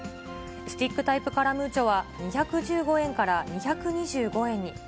スティックタイプカラムーチョは２１５円から２２５円に。